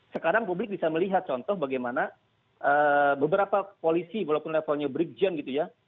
sekarang publik bisa melihat contoh bagaimana beberapa polisi walaupun levelnya brigjen gitu ya